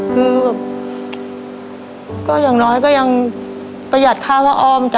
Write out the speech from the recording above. คือแบบก็อย่างน้อยก็ยังประหยัดค่าพระออมจ้